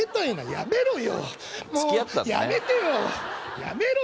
やめろよ！